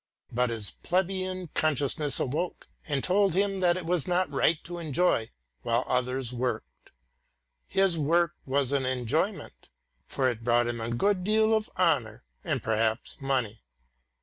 But his plebeian consciousness awoke and told him that it was not right to enjoy while others worked; his work was an enjoyment, for it brought him a good deal of honour, and perhaps money.